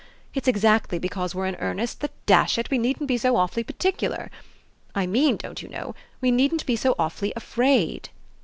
It's exactly because we're in earnest that, dash it, we needn't be so awfully particular. I mean, don't you know, we needn't be so awfully afraid."